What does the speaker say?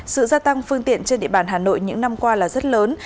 sự gia tăng phương tiện trên địa bàn hà nội những năm qua là rất lớn